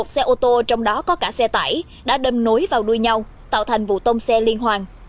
một xe ô tô trong đó có cả xe tải đã đâm nối vào đuôi nhau tạo thành vụ tông xe liên hoàn